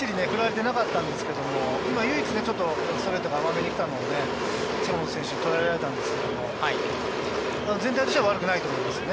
あまりきっちり振られてなかったんですけれど、今唯一ちょっとストレートが甘めに来たのを近本選手にとらえられたんですけれど、全体としては悪くないと思います。